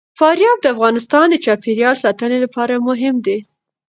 فاریاب د افغانستان د چاپیریال ساتنې لپاره مهم دي.